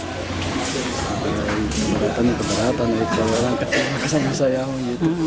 ke beratang ke beratang ke beratang ke sana saya mau gitu